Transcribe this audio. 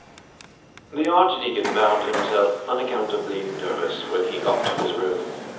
The Archdeacon found himself unaccountably nervous when he got to his room.